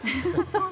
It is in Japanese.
そう。